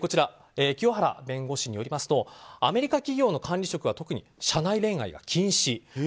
清原弁護士によりますとアメリカ企業の管理職は特に社内恋愛が禁止。